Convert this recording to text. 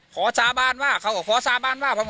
สาบานว่าเขาก็ขอสาบานว่า